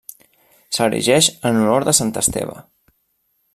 S'erigeix en honor a Sant Esteve.